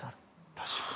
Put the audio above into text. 確かに。